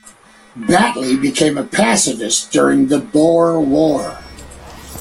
Battley became a pacifist during the Boer War.